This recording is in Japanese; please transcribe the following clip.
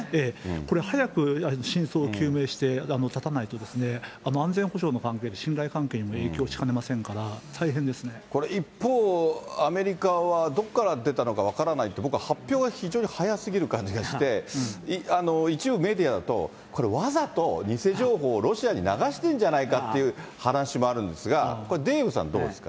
これ早く、真相を究明して断たないと安全保障の関係で、信頼関係にも影響しこれ一方、アメリカはどこから出たのか分からないって、僕は発表が非常に早すぎる感じがして、一部メディアだと、これ、わざと偽情報をロシアに流してんじゃないかっていう話もあるんですが、これ、デーブさんどうですか。